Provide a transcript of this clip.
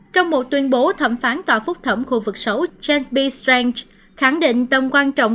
trong một tuyên bố thẩm phán tòa phúc thẩm khu vực sáu james b strange khẳng định tầm quan trọng